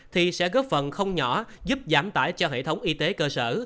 thì sẽ góp phần không nhỏ giúp giảm tải cho hệ thống y tế cơ sở